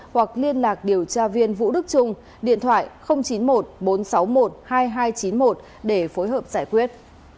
hoặc liên lạc điều tra viên vũ đức trung điện thoại chín mươi một bốn trăm sáu mươi một hai nghìn hai trăm chín mươi một để phối hợp giải quyết